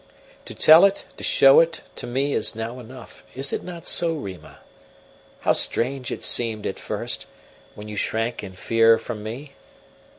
To tell it, to show it, to me is now enough is it not so, Rima? How strange it seemed, at first, when you shrank in fear from me!